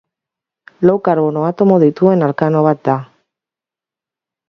Lau karbono atomo dituen alkano bat da.